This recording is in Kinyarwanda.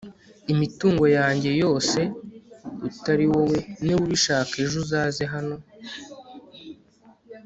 imitungo yanjye yose utari wowe niba ubishaka ejo uzaze hano